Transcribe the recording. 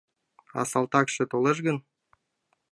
А салтакше толеш гын?